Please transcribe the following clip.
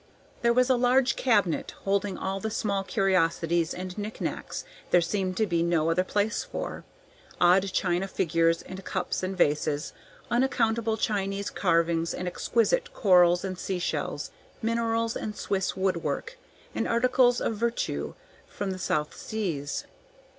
There was a large cabinet holding all the small curiosities and knick knacks there seemed to be no other place for, odd china figures and cups and vases, unaccountable Chinese carvings and exquisite corals and sea shells, minerals and Swiss wood work, and articles of vertu from the South Seas.